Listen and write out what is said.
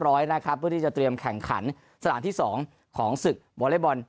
ร้อยนะครับที่จะเตรียมแข่งขันสถานที่๒ของสึกวอเลเบิ้ล